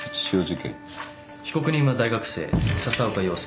被告人は大学生笹岡庸介。